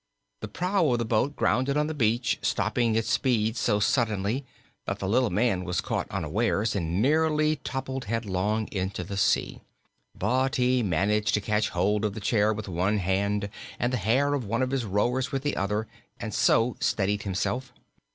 The prow of the boat grounded on the beach, stopping its speed so suddenly that the little man was caught unawares and nearly toppled headlong into the sea. But he managed to catch hold of the chair with one hand and the hair of one of his rowers with the other, and so steadied himself.